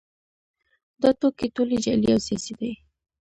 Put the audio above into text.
دا ټوکې ټولې جعلي او سیاسي دي